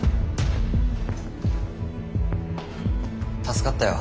助かったよ。